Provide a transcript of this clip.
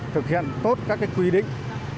thực hiện tốt các quy định